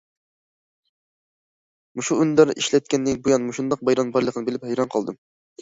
مۇشۇ ئۈندىدار ئىشلەتكەندىن بۇيان، مۇشۇنداق بايرامنىڭ بارلىقىنى بىلىپ، ھەيران قالدىم.